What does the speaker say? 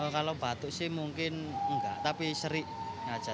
kalau batuk sih mungkin enggak tapi seri aja